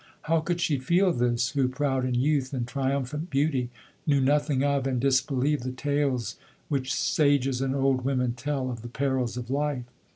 How could she feel this, who, proud in youth and triumphant beauty, knew nothing of, and disbelieved the tales which sages and old wo men tell of the perils of life